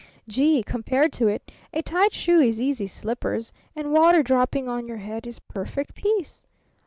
Gee! Compared to it, a tight shoe is easy slippers, and water dropping on your head is perfect peace!